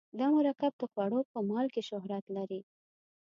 دا مرکب د خوړو په مالګې شهرت لري.